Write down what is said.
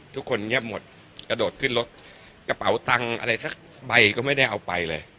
ทุกคนเงียบหมดกระโดดขึ้นรถกระเป๋าตังค์อะไรสักใบก็ไม่ได้เอาไปเลย